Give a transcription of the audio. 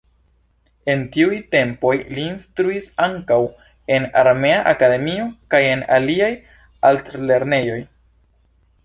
En tiuj tempoj li instruis ankaŭ en armea akademio kaj en aliaj altlernejoj.